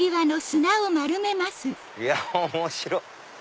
いや面白い！